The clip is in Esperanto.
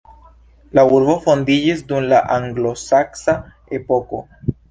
La urbo fondiĝis dum la anglosaksa epoko.